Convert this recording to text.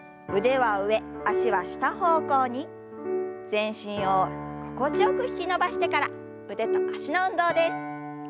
全身を心地よく引き伸ばしてから腕と脚の運動です。